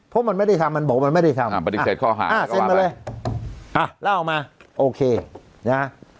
เพราะมันไม่ได้ทำมันบอกมันไม่ได้ทำอ่าเซ็นมาเลยแล้วเอามาโอเคนะ